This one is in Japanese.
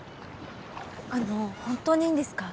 あの本当にいいんですか？